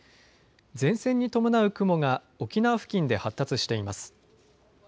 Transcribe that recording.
前線に伴う雲が沖縄付近で発達しています。